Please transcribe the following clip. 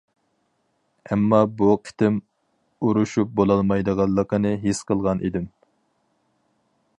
ئەمما بۇ قېتىم ئۇرۇشۇپ بولالمايدىغانلىقىنى ھېس قىلغان ئىدىم.